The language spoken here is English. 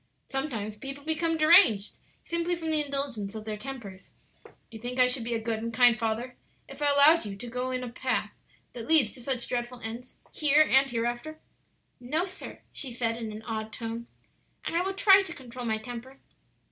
"Sometimes people become deranged simply from the indulgence of their tempers. Do you think I should be a good and kind father if I allowed you to go on in a path that leads to such dreadful ends here and hereafter?" "No, sir," she said in an awed tone; "and I will try to control my temper."